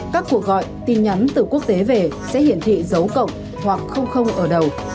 một các cuộc gọi tin nhắn từ quốc tế về sẽ hiển thị dấu cộng hoặc ở đầu